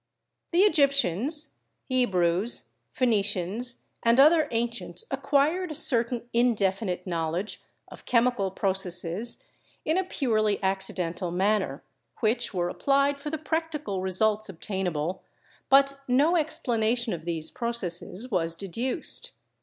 The Egyptians, Hebrews, Phoenicians and other ancients acquired a certain indefinite knowledge of chemical proc esses in a purely accidental manner, which were applied for the practical results obtainable, but no explanation of these processes was deduced.